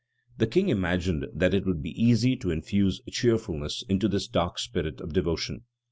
The king imagined, that it would be easy to infuse cheerfulness into this dark spirit of devotion.